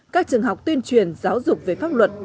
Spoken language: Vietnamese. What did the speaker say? các trường học tuyên truyền giáo dục về pháp luật